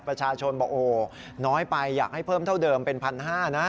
ประชาชนบอกโอ้น้อยไปอยากให้เพิ่มเท่าเดิมเป็น๑๕๐๐นะ